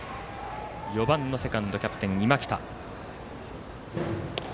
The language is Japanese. ４番のセカンドキャプテン、今北。